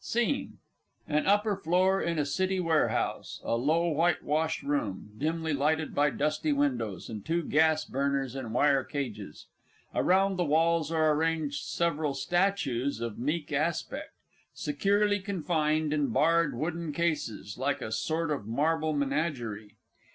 SCENE _An upper floor in a City Warehouse; a low whitewashed room, dimly lighted by dusty windows and two gas burners in wire cages. Around the walls are ranged several statues of meek aspect, securely confined in barred wooden cases, like a sort of marble menagerie.